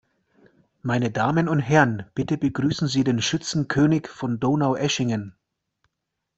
Meine Damen und Herren, bitte begrüßen Sie den Schützenkönig von Donaueschingen!